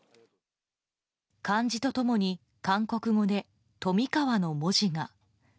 漢字と共に韓国語で冨川の文字が。